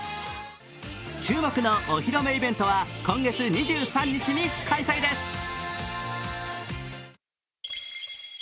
注目のお披露目イベントは今月２３日に開催です。